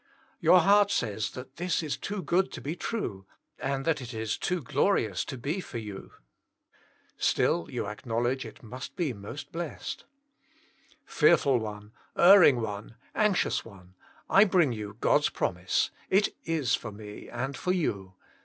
Your heart says that this is too good to be true, and that it is too glorious to be for you. Still you acknowledge it must be most blessed. J€9U8 Himself . 45 Fearful one, erring one, anxious one, I bring you God's promise, it is for me and for you.